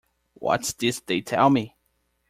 What's this they tell me?